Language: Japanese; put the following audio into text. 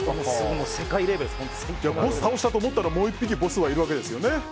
ボスを倒したと思ったらもう１匹ボスがいるわけですよね。